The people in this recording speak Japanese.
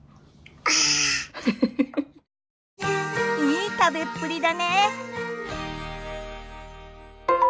いい食べっぷりだね。